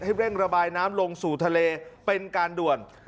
เร่งระบายน้ำลงสู่ทะเลเป็นการด่วน